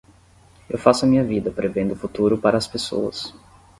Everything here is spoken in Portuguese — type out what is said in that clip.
Eu faço a minha vida prevendo o futuro para as pessoas